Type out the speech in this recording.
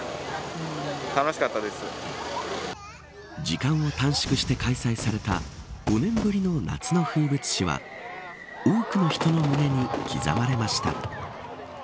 時間を短縮して開催された５年ぶりの夏の風物詩は多くの人の胸に刻まれました。